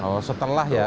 oh setelah ya